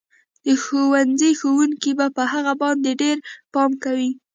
د ښوونځي ښوونکي به په هغه باندې ډېر پام کوي